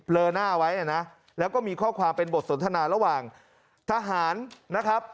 เลอหน้าไว้นะแล้วก็มีข้อความเป็นบทสนทนาระหว่างทหารนะครับ